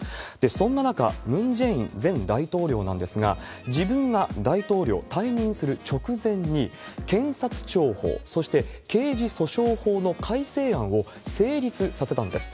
そんな中、ムン・ジェイン前大統領なんですが、自分が大統領退任する直前に検察庁法、そして刑事訴訟法の改正案を成立させたんです。